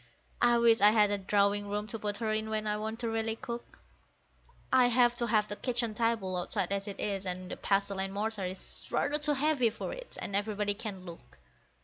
I wish I had a drawing room to put her in when I want to really cook; I have to have the kitchen table outside as it is, and the pestle and mortar is rather too heavy for it, and everybody can look.